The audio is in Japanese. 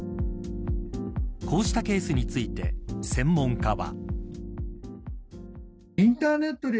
こうしたケースについて専門家は。